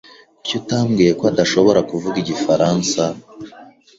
Kuki utambwiye ko adashobora kuvuga igifaransa?